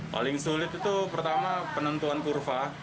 paling sulit itu pertama penentuan kurva